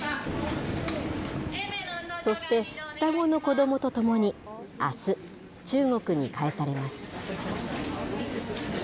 そして、双子の子どもとともに、あす、中国に返されます。